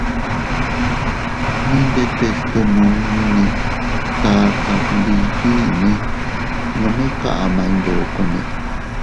Mi ndetes tomunnine taka gndiyinne nome kaʼmay ndokone.